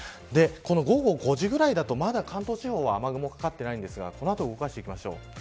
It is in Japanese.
午後５時ぐらいだと、まだ関東地方は雨雲かかっていないんですがこの後動かしていきましょう。